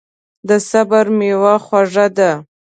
د صبر میوه خوږه ده.